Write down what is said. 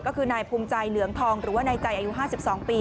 ก็คือนายภูมิใจเหลืองทองหรือว่านายใจอายุ๕๒ปี